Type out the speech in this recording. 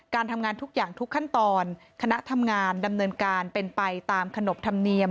ทำงานทุกอย่างทุกขั้นตอนคณะทำงานดำเนินการเป็นไปตามขนบธรรมเนียม